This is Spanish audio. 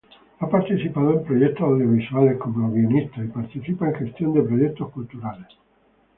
Ha participado en proyectos audiovisuales como guionista y participa en gestión de proyectos culturales.